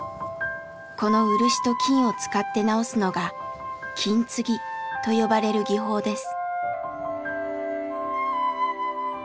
この漆と金を使って直すのが「金継ぎ」と呼ばれる技法です。